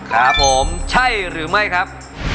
ครับผมใช่หรือไม่ครับ